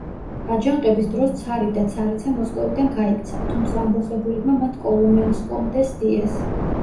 აჯანყების დროს ცარი და ცარიცა მოსკოვიდან გაიქცა, თუმცა ამბოხებულებმა მათ კოლომენსკომდე სდიეს.